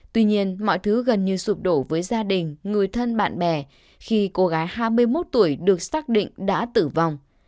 tuy nhiên mọi thứ gần như sụp đổ với gia đình người thân bạn bè khi cô gái hai mươi một tuổi được xác định đã tử vong